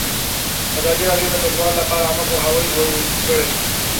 ازادي راډیو د کډوال لپاره عامه پوهاوي لوړ کړی.